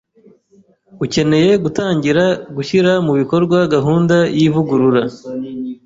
Ukeneye gutangira gushyira mu bikorwa gahunda y’ivugurura